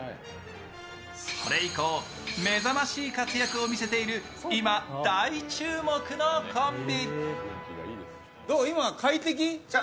それ以降、目覚ましい活躍を見せている今、大注目のコンビ。